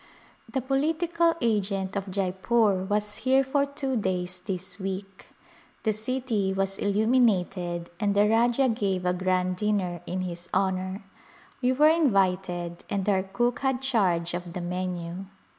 The political agent of Jeypore was here for two days this week. The city was illuminated and the Rajah gave a grand dinner in his honor. We were invited and our cook had charge of the menu.